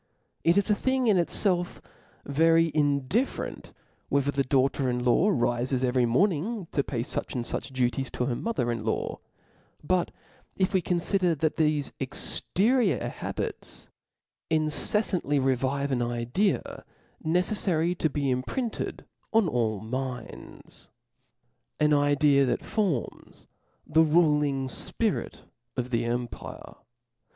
It is a thing in itfelf very indifferent whether the daughter in law rifes every morning to pay fuch and fuch duties to her mother in law : but if we confider that thefe exterior habits inccf fandy revive an idea neceflary to be imprinted on all minds, an idea that forms the ruling fpirit of the empire, OP LAWS.